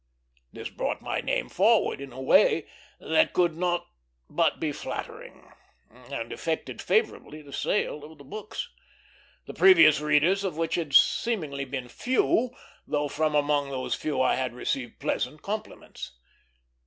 This brought my name forward in a way that could not but be flattering, and affected favorably the sale of the books; the previous readers of which had seemingly been few, though from among those few I had received pleasant compliments.